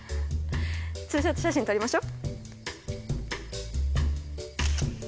ツーショット写真撮りましょ。